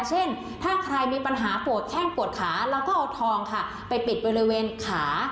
เช่นถ้าใครมีปัญหาปวดแข้งปวดขาเราก็เอาทองค่ะไปปิดบริเวณขา